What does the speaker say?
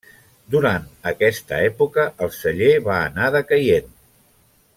Durant aquesta època el celler va anar decaient.